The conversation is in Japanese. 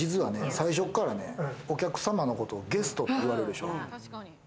最初からお客様のことをゲストって言われるでしょ。